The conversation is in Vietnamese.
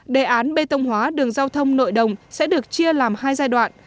đề án bê tông hóa đường giao thông nội đồng sẽ được chia làm hai giai đoạn